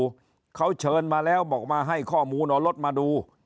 เขาเชิญมาแล้วบอกมาให้ข้อมูลเอารถมาดู